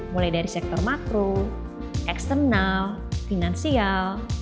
mulai dari sektor makro eksternal finansial